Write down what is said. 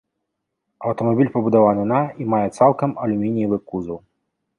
Аўтамабіль пабудаваны на і мае цалкам алюмініевы кузаў.